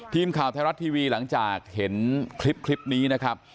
ทีมข่าวไทยรัฐทีวีหลังจากเห็นคลิปนี้นะครับ